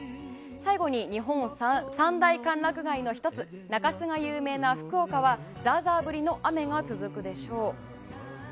最後に、日本三大歓楽街の１つ、中洲が有名な福岡は、ざーざー降りの雨が続くでしょう。